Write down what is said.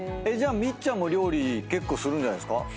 じゃあみっちゃんも料理結構するんじゃないですか？